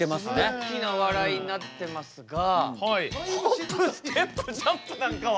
大きな笑いになってますが「ホップステップジャンプ」なんかは。